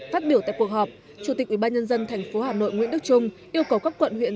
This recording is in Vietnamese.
phát biểu tại cuộc họp chủ tịch ubnd tp hà nội nguyễn đức trung yêu cầu các quận huyện